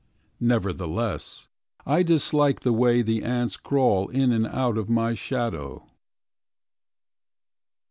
Nevertheless, I dislike The way the ants crawl In and out of my shadow.